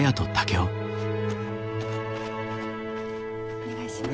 お願いします。